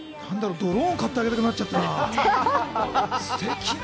ドローン買ってあげたくなっちゃったな。